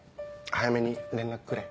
早めに連絡くれ。